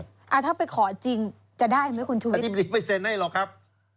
ถ้าไปขอจริงจะได้ไหมคุณชุวิตอธิบดีไปเซ็นต์ให้หรอกครับ